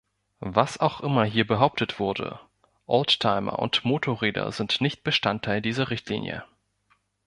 Was auch immer hier behauptet wurde, Oldtimer und Motorräder sind nicht Bestandteil dieser Richtlinie.